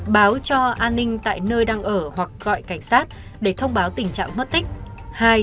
báo cho an ninh tại nơi đang ở hoặc gọi cảnh sát để thông báo tình trạng mất tích